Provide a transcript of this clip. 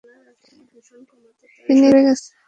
তিনি তো মরে গেছে।